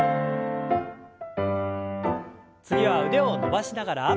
次は腕を伸ばしながら。